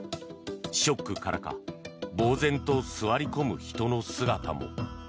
ショックからかぼうぜんと座り込む人の姿も。